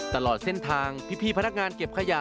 ตลอดเส้นทางพี่พนักงานเก็บขยะ